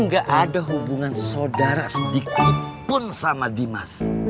gue gak ada hubungan sodara sedikit pun sama dimas